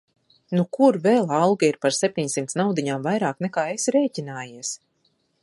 Nu kur vēl alga ir par septiņsimt naudiņām vairāk nekā esi rēķinājies.